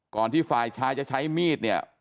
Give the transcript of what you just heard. ที่ฝ่ายชายจะใช้มีดเนี่ย